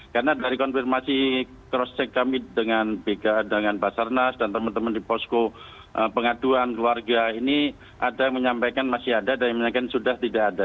karena dari konfirmasi cross check kami dengan bka dengan basarnas dan teman teman di posko pengaduan keluarga ini ada yang menyampaikan masih ada dan yang menyampaikan sudah tidak ada